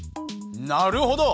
なるほど！